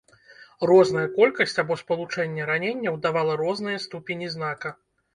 Розная колькасць або спалучэнне раненняў давала розныя ступені знака.